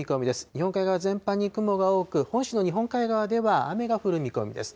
日本海側、全般に雲が多く、本州の日本海側では雨が降る見込みです。